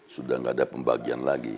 sudah tidak ada pembagian lagi